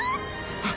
あっ！